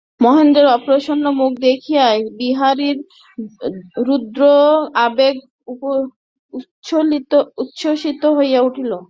মহেন্দ্রের অপ্রসন্ন মুখ দেখিয়া বিহারীর রুদ্ধ আবেগ উচ্ছ্বসিত হইয়া উঠিল।